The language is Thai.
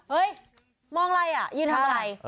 เฮ้ยมองไรอ่ะยืนทำอะไร